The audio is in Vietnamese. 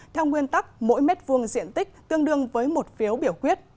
theo nguyên tắc mỗi mét vuông diện tích tương đương với một phiếu biểu quyết